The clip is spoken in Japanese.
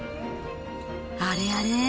あれあれ？